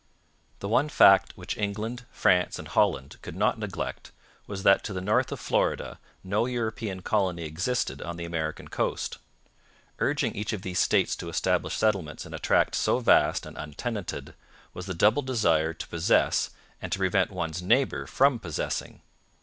The one fact which England, France, and Holland could not neglect was that to the north of Florida no European colony existed on the American coast. Urging each of these states to establish settlements in a tract so vast and untenanted was the double desire to possess and to prevent one's neighbour from possessing.